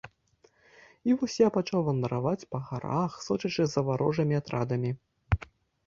І вось я пачаў вандраваць па гарах, сочачы за варожымі атрадамі.